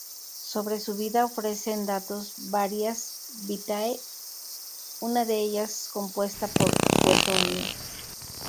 Sobre su vida ofrecen datos varias "vitae", una de ellas compuesta por Suetonio.